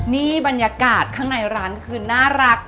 นี่บรรยากาศข้างในร้านคือน่ารัก